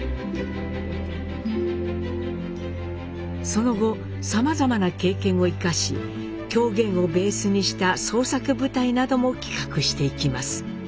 その後さまざまな経験を生かし狂言をベースにした創作舞台なども企画していきます。